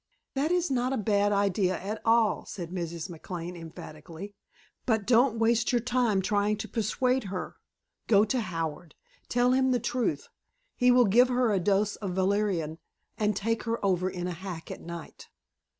"That is not a bad idea at all," said Mrs. McLane emphatically. "But don't waste your time trying to persuade her. Go to Howard. Tell him the truth. He will give her a dose of valerian and take her over in a hack at night."